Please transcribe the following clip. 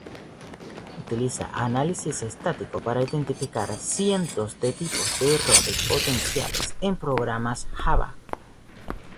Utiliza análisis estático para identificar cientos de tipos de errores potenciales en programas Java.